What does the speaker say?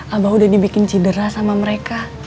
abah udah dibikin cedera sama mereka